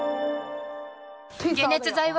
解熱剤は？